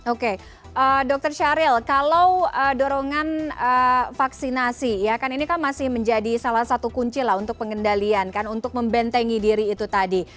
oke dr syahril kalau dorongan vaksinasi ya kan ini kan masih menjadi salah satu kunci lah untuk pengendalian kan untuk membentengi diri itu tadi